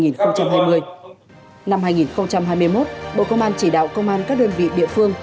năm hai nghìn hai mươi một bộ công an chỉ đạo công an các đơn vị địa phương